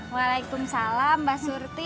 waalaikumsalam mbak surti